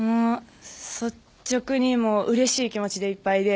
率直にうれしい気持ちでいっぱいです。